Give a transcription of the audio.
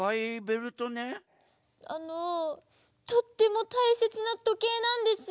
あのとってもたいせつなとけいなんです。